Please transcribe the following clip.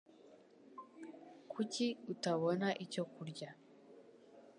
Kuki utabona icyo kurya